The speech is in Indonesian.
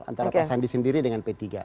antara pak sandi sendiri dengan p tiga